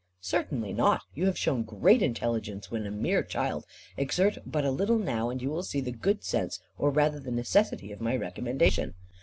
"Certainly not. You have shown great intelligence when a mere child; exert but a little now, and you will see the good sense, or rather the necessity, of my recommendation.